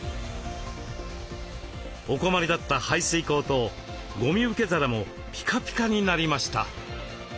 お困りだった排水口とごみ受け皿もピカピカになりました。